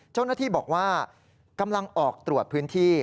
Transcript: เจ้าหน้าที่บอกว่ากำลังออกตรวจพื้นที่